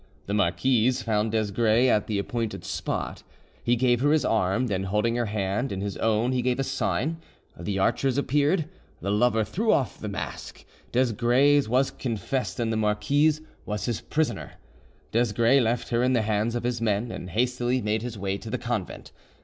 The marquise found Desgrais at the appointed spot: he gave her his arm then holding her hand in his own, he gave a sign, the archers appeared, the lover threw off his mask, Desgrais was confessed, and the marquise was his prisoner. Desgrais left her in the hands of his men, and hastily made his way to the convent.